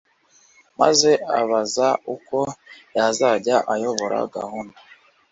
maze abaza uko yazajya ayobora gahunda